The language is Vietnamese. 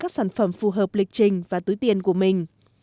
các sản phẩm phù hợp lịch trình và túi tiền của mình